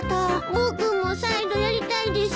僕もサイドやりたいです。